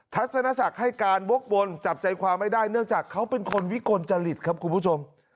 ทัศนศักดิ์ให้การวกวนจับใจความไม่ได้เนื่องจากเขาเป็นคนวิกลจริตครับคุณผู้ชม